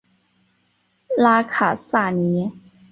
拉卡萨尼。